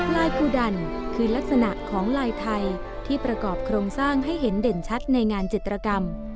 ลายกูดันคือลักษณะของลายไทยที่ประกอบโครงสร้างให้เห็นเด่นชัดในงานจิตรกรรม